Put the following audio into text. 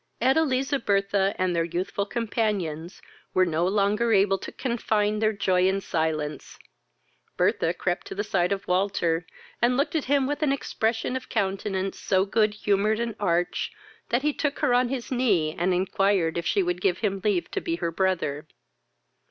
Edeliza, Bertha, and their youthful companions, were no longer able to confine their joy in silence. Bertha crept to the side of Walter, and looked at him with an expression of countenance so good humoured and arch, that he took her on his knee, and inquired if she would give him leave to be her brother.